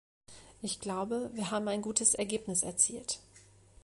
Ich glaube, wir haben ein gutes Ergebnis erzielt.